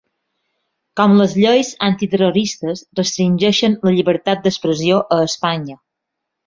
Com les lleis antiterroristes restringeixen la llibertat d’expressió a Espanya.